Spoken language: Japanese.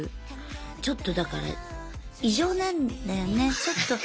ちょっとだから異常なんだよねちょっと。